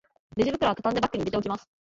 レジ袋はたたんでバッグに入れておきます